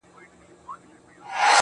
و هندوستان ته دې بيا کړی دی هجرت شېرينې,